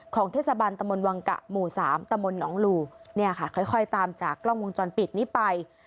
เทศบันตมวังกะหมู่สามตะมนตหนองลูเนี่ยค่ะค่อยตามจากกล้องวงจรปิดนี้ไป